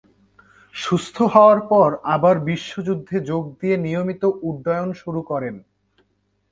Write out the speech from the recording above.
সুস্থ হওয়ার পর আবার বিশ্বযুদ্ধে যোগ দিয়ে নিয়মিত উড্ডয়ন শুরু করেন।